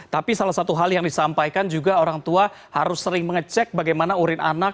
tapi salah satu hal yang disampaikan juga orang tua harus sering mengecek bagaimana urin anak